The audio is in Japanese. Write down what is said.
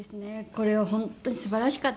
これは本当に素晴らしかった。